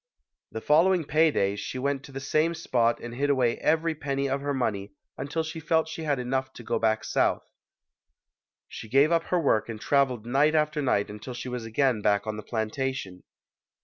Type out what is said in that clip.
The following pay days she went to the same spot and hid away every penny of her money until she felt that she had enough to go back South. She gave up her work and traveled night after night until she was again back on the plantation.